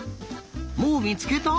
もうみつけた？